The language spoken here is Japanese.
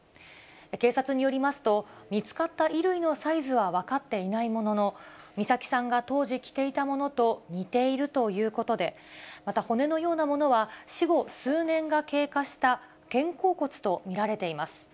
警察によりますと、見つかった衣類のサイズは分かっていないものの、美咲さんが当時着ていたものと似ているということで、また骨のようなものは、死後数年が経過した、肩甲骨と見られています。